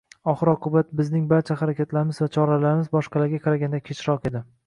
Oxir -oqibat, bizning barcha harakatlarimiz va choralarimiz boshqalarga qaraganda kechroq edi